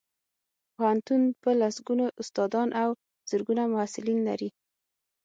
پوهنتون په لسګونو استادان او زرګونه محصلین لري